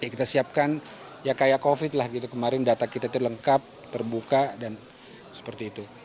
kita siapkan ya kayak covid lah gitu kemarin data kita itu lengkap terbuka dan seperti itu